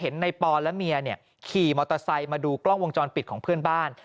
ในปอนและเมียขี่มอเตอร์ไซค์มาดูกล้องวงจรปิดของเพื่อนบ้าน